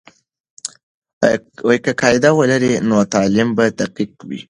که قاعده ولري، نو تعلیم به دقیق وي.